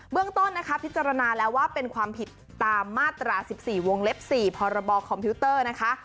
เรื่องต้นนะคะพิจารณาแล้วว่าเป็นความผิดตามมาตรา๑๔วงเล็บ๔พรบคอมพิวเตอร์นะคะ